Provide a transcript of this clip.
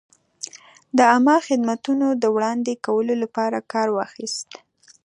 د عامه خدمتونو د وړاندې کولو لپاره کار واخیست.